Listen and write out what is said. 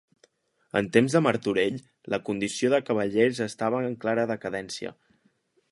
En temps de Martorell, la condició de cavallers estava en clara decadència.